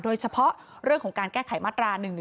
โดยเฉพาะเรื่องของการแก้ไขมาตรา๑๑๒